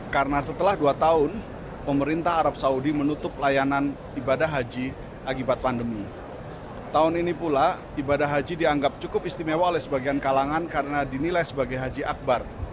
kuota haji dianggap cukup istimewa oleh sebagian kalangan karena dinilai sebagai haji akbar